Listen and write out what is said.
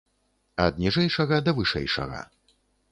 Ад ніжэйшага да вышэйшага.